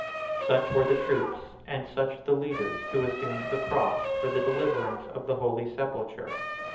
] Such were the troops, and such the leaders, who assumed the cross for the deliverance of the holy sepulchre.